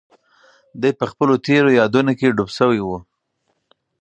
دی په خپلو تېرو یادونو کې ډوب شوی و.